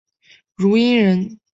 汝阴人。